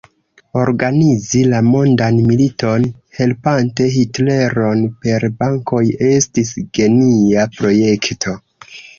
Organizi la mondan militon, helpante Hitleron per bankoj estis genia projekto.